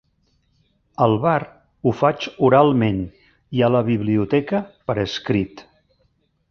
Al bar ho faig oralment i a la biblioteca per escrit.